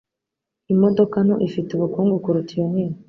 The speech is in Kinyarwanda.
Imodoka nto ifite ubukungu kuruta iyo nini.